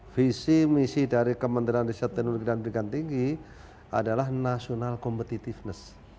visi misi dari kementerian riset teknologi dan pendidikan tinggi adalah national competitiveness